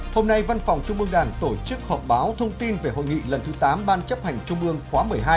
hôm nay văn phòng trung ương đảng tổ chức họp báo thông tin về hội nghị lần thứ tám ban chấp hành trung ương khóa một mươi hai